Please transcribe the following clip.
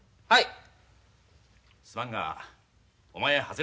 はい！